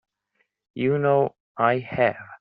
You know I have.